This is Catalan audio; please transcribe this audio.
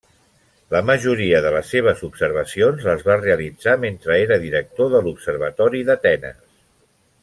La majoria de les seves observacions les va realitzar mentre era director de l'Observatori d'Atenes.